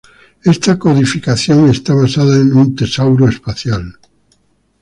Esta codificación está basada en un tesauro espacial.